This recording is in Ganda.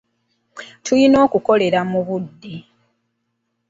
Tulina okukolera mu budde.